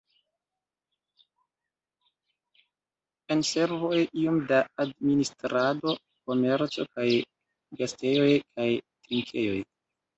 En servoj iom da administrado, komerco kaj gastejoj kaj trinkejoj.